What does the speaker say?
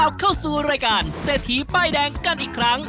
เข้าสู่รายการเศรษฐีป้ายแดงกันอีกครั้ง